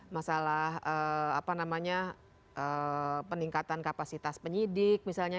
masalah apa namanya peningkatan kapasitas penyidik misalnya